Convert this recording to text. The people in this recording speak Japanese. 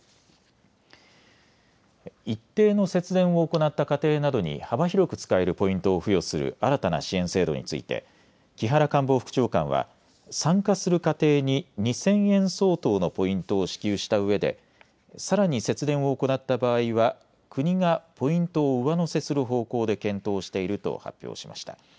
一定の節電を行った家庭などに幅広く使えるポイントを付与する新たな支援制度について木原官房副長官は参加する家庭に２０００円相当のポイントを支給したうえで、さらに節電を行った場合は国がポイントを上乗せする方向で検討していると発表しました。